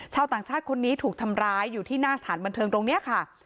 ชาวต่างชาติคนนี้ถูกทำร้ายอยู่ที่หน้าสถานบันเทิงตรงนี้ค่ะ